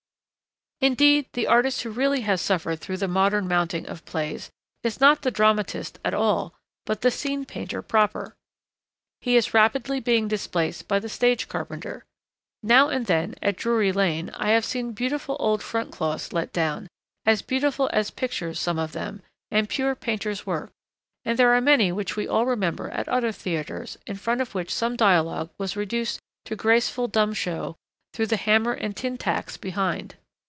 Indeed, the artist who really has suffered through the modern mounting of plays is not the dramatist at all, but the scene painter proper. He is rapidly being displaced by the stage carpenter. Now and then, at Drury Lane, I have seen beautiful old front cloths let down, as perfect as pictures some of them, and pure painter's work, and there are many which we all remember at other theatres, in front of which some dialogue was reduced to graceful dumb show through the hammer and tin tacks behind.